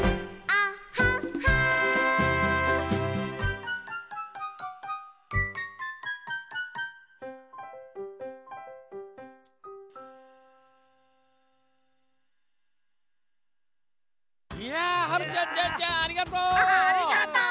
ありがとう！